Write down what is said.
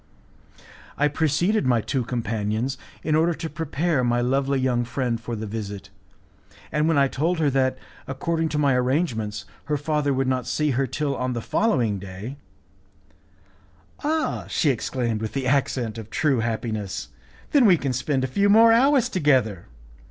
I preceded my two companions in order to prepare my lovely young friend for the visit, and when I told her that, according to my arrangements, her father would not see her till on the following day: "Ah!" she exclaimed with the accent of true happiness, "then we can spend a few more hours together!